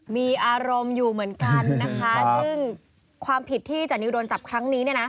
มีอารมณ์อยู่เหมือนกันซึ่งความผิดที่จันนิวโดนจับครั้งนี้